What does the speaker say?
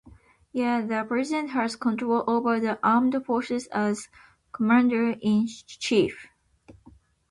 Yet, the President has control over the Armed Forces as Commander-in-Chief.